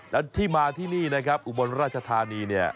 แล้วที่มาที่นี่นะครับอุบรรชธานี